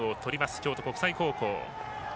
京都国際高校。